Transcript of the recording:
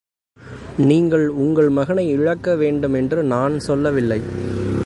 நீங்கள் உங்கள் மகனை இழக்க வேண்டும் என்று நான் சொல்லவில்லை.